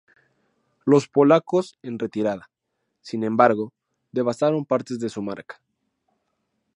Los polacos en retirada, sin embargo, devastaron partes de su marca.